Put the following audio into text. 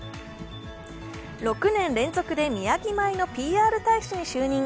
６年連続で宮城米のＰＲ大使に就任。